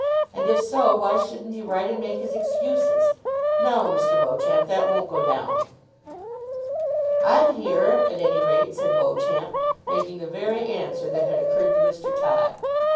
And, if so, why shouldn't he write and make his excuses? No, Mr. Beauclerk, that won't go down." "I'm here, at any rate," said Beauclerk, making the very answer that had occurred to Mr. Todd.